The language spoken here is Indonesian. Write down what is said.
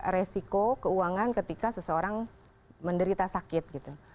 resiko keuangan ketika seseorang menderita sakit gitu